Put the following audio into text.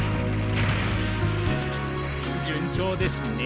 順調ですね。